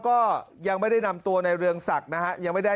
ก็ยังไม่ได้นำตัวในเรืองศักดิ์นะครับ